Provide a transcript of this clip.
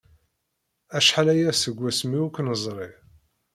Acḥal aya seg wasmi ur k-neẓri.